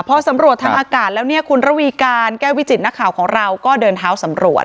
พอสำรวจทางอากาศแล้วเนี่ยคุณระวีการแก้ววิจิตนักข่าวของเราก็เดินเท้าสำรวจ